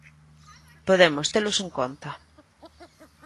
Podemos telos en conta.